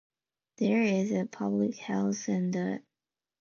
There is a public house and a caravan park in the village.